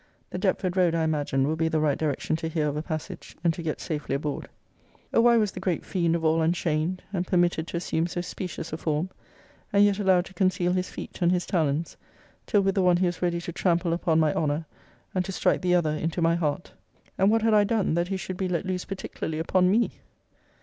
The Deptford road, I imagine, will be the right direction to hear of a passage, and to get safely aboard. O why was the great fiend of all unchained, and permitted to assume so specious a form, and yet allowed to conceal his feet and his talons, till with the one he was ready to trample upon my honour, and to strike the other into my heart! And what had I done, that he should be let loose particularly upon me!